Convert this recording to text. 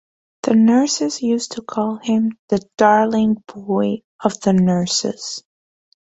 The nurses used to call him ""The darling boy of the Nurses"".